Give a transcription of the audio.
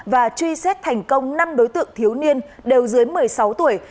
và truy xét thành công năm đối tượng thiếu niên đều dưới một mươi sáu tuổi